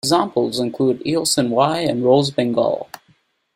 Examples include eosin Y and rose bengal.